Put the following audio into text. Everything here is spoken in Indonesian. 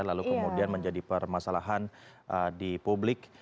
lalu kemudian menjadi permasalahan di publik